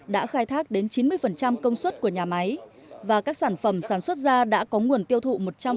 sản xuất chính thức đã khai thác đến chín mươi công suất của nhà máy và các sản phẩm sản xuất ra đã có nguồn tiêu thụ một trăm linh